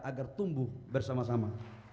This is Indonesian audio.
agar tumbuh bersama sama